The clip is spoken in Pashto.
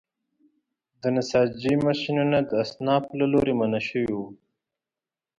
د نساجۍ ماشینونه د اصنافو له لوري منع شوي وو.